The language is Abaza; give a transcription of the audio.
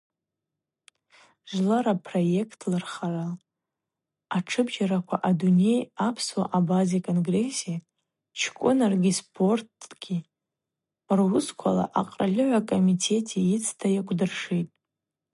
Жвлара проектлыхрала атшыбжьараква Адуней апсуа-абаза конгресси чкӏвыныргӏи спорти руысквала Акъральыгӏва комитети йацыта йакӏвдыршитӏ.